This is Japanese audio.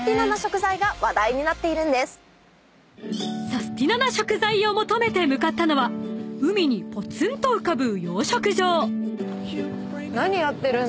［サスティなな食材を求めて向かったのは海にぽつんと浮かぶ］